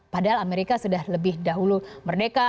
padahal amerika sudah lebih dahulu merdeka